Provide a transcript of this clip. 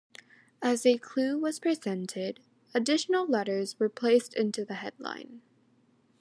As a clue was presented, additional letters were placed into the headline.